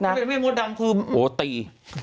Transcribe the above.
เพราะว่าเขาเป็นแม่โมดดำก็คือโห้ตี